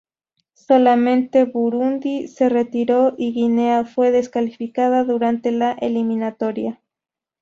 Solamente Burundi se retiró y Guinea fue descalificada durante la eliminatoria.